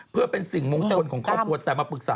เพื่อเป็นสิ่งมงคลของครอบครัวแต่มาปรึกษา